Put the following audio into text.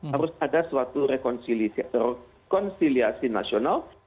harus ada suatu rekonsiliasi nasional